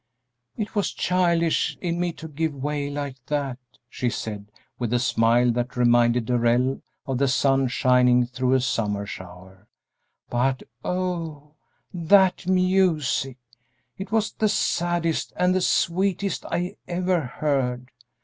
"It was childish in me to give way like that," she said, with a smile that reminded Darrell of the sun shining through a summer shower; "but oh, that music! It was the saddest and the sweetest I ever heard!